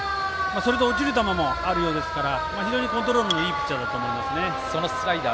それと落ちる球もあるようですから非常にコントロールのいいピッチャーだと思います。